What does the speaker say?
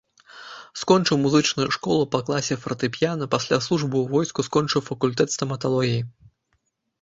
Скончыў музычную школу па класе фартэпіяна, пасля службы ў войску скончыў факультэт стаматалогіі.